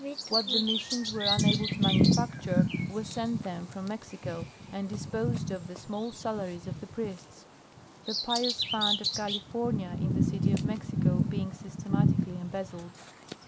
What the Missions were unable to manufacture was sent them from Mexico, and disposed of the small salaries of the priests; the "Pious Fund of California" in the city of Mexico being systematically embezzled.